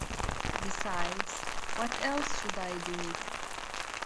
Besides, what else should I do?